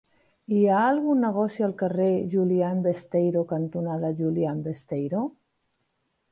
Hi ha algun negoci al carrer Julián Besteiro cantonada Julián Besteiro?